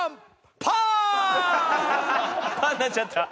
パンになっちゃった！